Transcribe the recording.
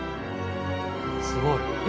すごい。え？